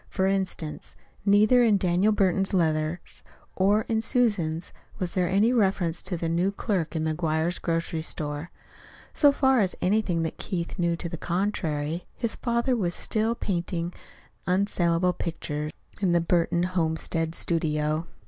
For instance: neither in Daniel Burton's letters, nor in Susan's, was there any reference to the new clerk in McGuire's grocery store. So far as anything that Keith knew to the contrary, his father was still painting unsalable pictures in the Burton home stead studio.